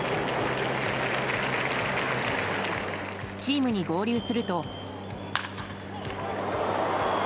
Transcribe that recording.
チームに合流すると。